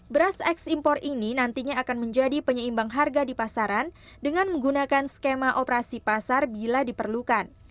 beras ekspor ini nantinya akan menjadi penyeimbang harga di pasaran dengan menggunakan skema operasi pasar bila diperlukan